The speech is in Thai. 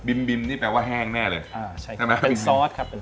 บีมนี่แปลว่าแห้งแน่เลยอ่าใช่ใช่ไหมเป็นซอสครับผม